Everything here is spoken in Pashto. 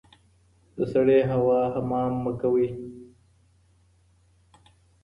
د سړې هوا حمام مه کوه